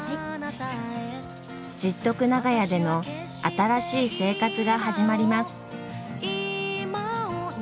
十徳長屋での新しい生活が始まります。